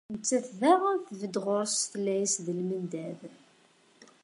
Nettat daɣen tbedd ɣur-s tella-as d lmendad.